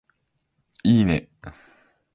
いいね